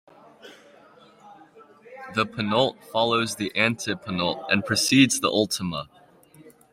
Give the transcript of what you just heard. The penult follows the antepenult and precedes the ultima.